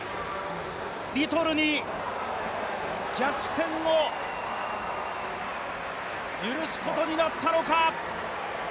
リトルに逆転を許すことになったのか？